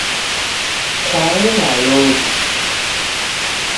Kwaela loli